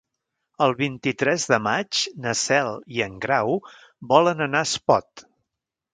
El vint-i-tres de maig na Cel i en Grau volen anar a Espot.